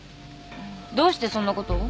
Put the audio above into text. どうしてそんなことを？